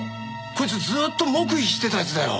こいつずっと黙秘してた奴だよ。